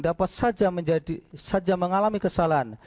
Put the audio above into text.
dapat saja mengalami kesalahan